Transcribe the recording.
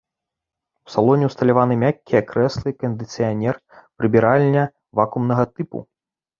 У салоне ўсталяваны мяккія крэслы, кандыцыянер, прыбіральня вакуумнага тыпу.